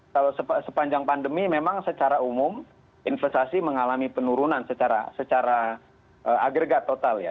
kalau sepanjang pandemi memang secara umum investasi mengalami penurunan secara agregat total ya